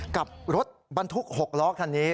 กับรถบรรทุก๖ล้อคันนี้